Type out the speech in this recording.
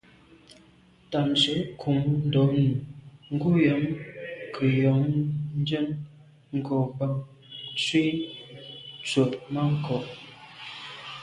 Tà nse’ nkum ndonni, ngùnyàm ke’ yon njen ngo’ bàn nzwi tswemanko’.